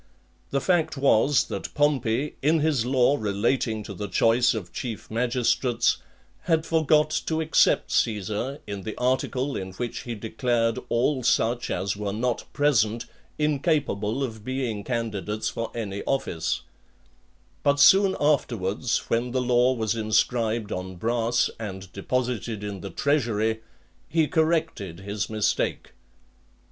The fact was, that Pompey, in his law relating to the choice of chief magistrates, had forgot to except Caesar, in the article in which he declared all such as were not present incapable of being candidates for any office; but soon afterwards, when the law was inscribed on brass, and deposited in the treasury, he corrected his mistake.